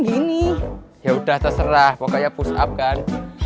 gini ya udah terserah pokoknya push up kan